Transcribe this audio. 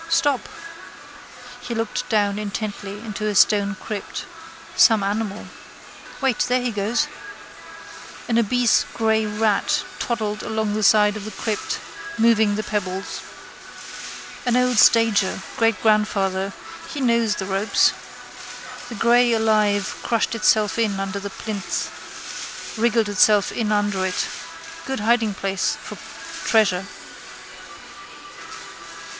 Stop! He looked down intently into a stone crypt. Some animal. Wait. There he goes. An obese grey rat toddled along the side of the crypt, moving the pebbles. An old stager: greatgrandfather: he knows the ropes. The grey alive crushed itself in under the plinth, wriggled itself in under it. Good hidingplace for treasure.